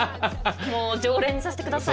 もう常連にさせて下さい。